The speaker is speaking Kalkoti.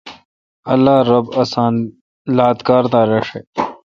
اللہ رب اسان لات کار دا رݭہ۔